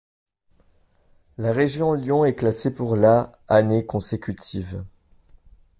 La région Lyon est classée pour la année consécutive.